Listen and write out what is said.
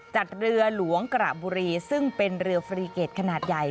จัดเรือหลวงกระบุรีซึ่งเป็นเรือฟรีเกตขนาดใหญ่